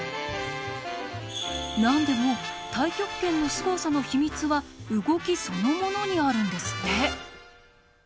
何でも太極拳のすごさの秘密は動きそのものにあるんですって。